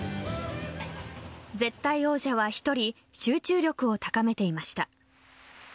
絶対王者は１人、集中力を高めていました。